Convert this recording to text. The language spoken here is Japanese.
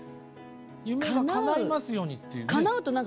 夢がかないますようにっていうね。